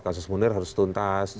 kasus munir harus tuntas